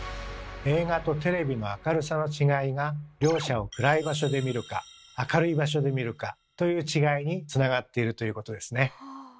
映画とテレビの明るさの違いが両者を暗い場所で見るか明るい場所で見るかという違いにつながっているということですね。